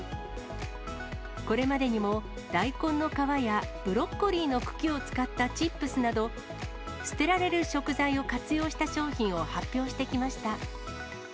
これまでにも、大根の皮やブロッコリーの茎を使ったチップスなど、捨てられる食材を活用した商品を発表してきました。